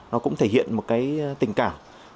nó cũng thể hiện một cái tình cảm